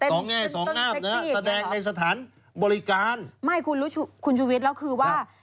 สองแง้มสองงามหรือ